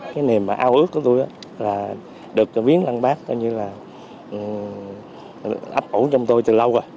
cái niềm ao ước của tôi là được viếng lăng bác coi như là áp ổ trong tôi từ lâu rồi